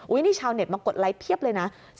นี่ชาวเน็ตมากดไลค์เพียบเลยนะ